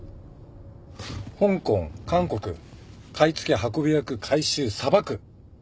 香港韓国買い付け運び役回収さばく。